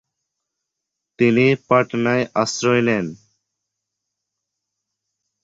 তিনি পাটনায় আশ্রয় নেন।